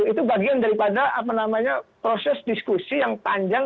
itu bagian daripada proses diskusi yang panjang